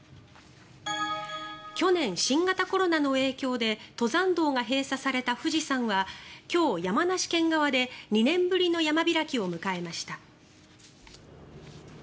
去年、新型コロナの影響で登山道が閉鎖された富士山は今日、山梨県側で２年ぶりの山開きを迎えました。